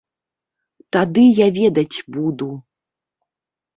Тады я ведаць буду!